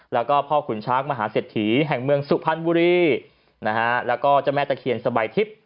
แล้วก็พ่อขุนช้างมหาเศรษฐีแห่งเมืองสุพรรณบุรีนะฮะแล้วก็เจ้าแม่ตะเคียนสบายทิพย์